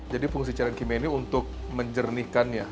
jadi fungsi cairan kimia ini untuk menjernihkannya